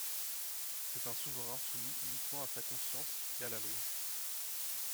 C’est un souverain soumis uniquement à sa conscience et à la loi.